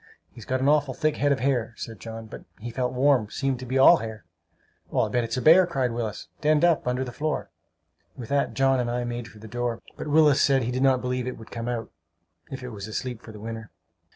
"He's got an awful thick head of hair," said John; "but he felt warm! Seemed to be all hair!" "I'll bet it's a bear!" cried Willis. "Denned up, under the floor!" With that John and I made for the door; but Willis said he did not believe it would come out, if it was asleep for the winter.